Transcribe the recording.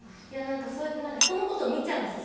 そうやって何か人のこと見ちゃうんですよ